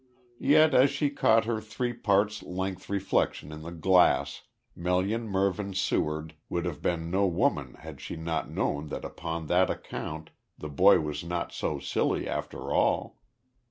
Yet as she caught her three parts length reflection in the glass, Melian Mervyn Seward would have been no woman had she not known that upon that account the boy was not so silly after all.